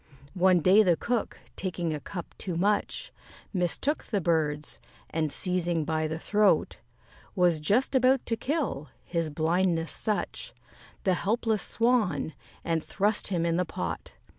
One day the Cook, taking a cup too much, Mistook the birds, and, seizing by the throat, Was just about to kill his blindness such The helpless Swan, and thrust him in the pot.